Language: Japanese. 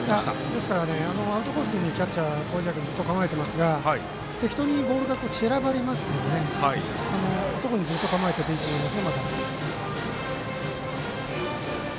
ですから、アウトコースにキャッチャー麹家君、ずっと構えてますから適当にボールが散らばりますのであそこにずっと構えてていいと思います。